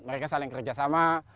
mereka saling kerjasama